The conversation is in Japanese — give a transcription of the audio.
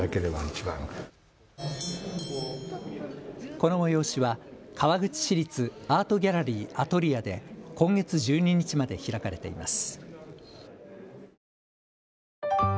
この催しは川口市立アートギャラリー・アトリアで今月１２日まで開かれています。